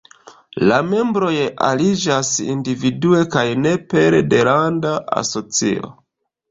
La membroj aliĝas individue, kaj ne pere de landa asocio.